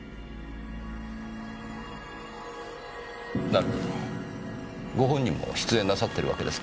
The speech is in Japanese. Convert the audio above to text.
なるほどご本人も出演なさってるわけですか。